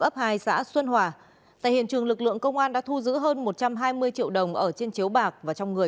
ấp hai xã xuân hòa tại hiện trường lực lượng công an đã thu giữ hơn một trăm hai mươi triệu đồng ở trên chiếu bạc và trong người